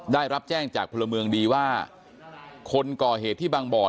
ได้รับแจ้งจากพลเมืองดีว่าคนก่อเหตุที่บางบ่อ